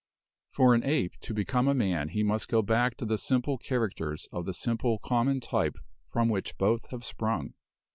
For an ape to become a man he must go back to the simple char acters of the simple common type from which both have sprung.